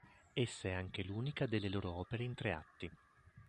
Essa è anche l'unica delle loro opere in tre atti.